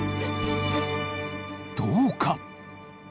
どうか？